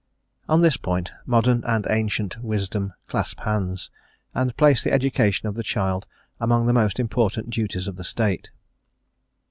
On this point modern and ancient wisdom clasp hands, and place the education of the child among the most important duties of the State.